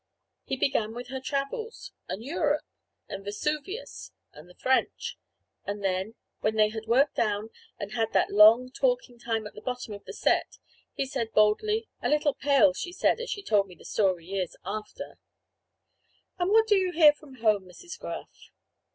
He began with her travels, and Europe, and Vesuvius, and the French; and then, when they had worked down, and had that long talking time at the bottom of the set, he said boldly a little pale, she said, as she told me the story years after "And what do you hear from home, Mrs. Graff?"